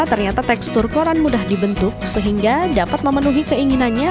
ternyata tekstur koran mudah dibentuk sehingga dapat memenuhi keinginannya